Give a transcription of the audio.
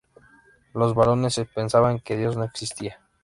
Los barones pensaban que Dios no existía.